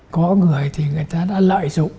có người thì người ta đã lợi dụng